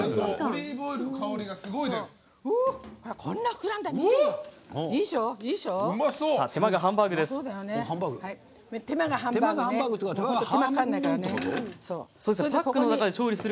オリーブオイルの香りがすごいです。